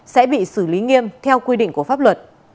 sẽ bị xử lý nghiêm theo quy định của pháp luật